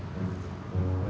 aku juga suka sama dewi